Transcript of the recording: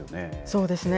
そうですね。